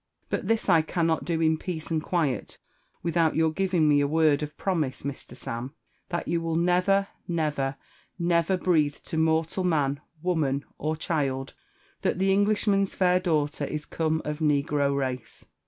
But this I eannoC do in peaee and quiet without your giTing me a word of promfie, Mr. Smm, thai you will never, neyer, never breathe to mortal man, woman, or diiM, diat the Englishman's fair daughter is come of negro raee.